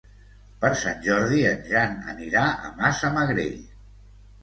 Per Sant Jordi en Jan anirà a Massamagrell.